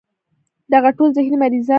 دغه ټول ذهني مريضان دي